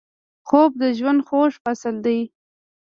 خوب د ژوند خوږ فصل دی